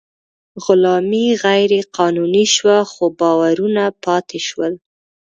غلامي غیر قانوني شوه، خو باورونه پاتې شول.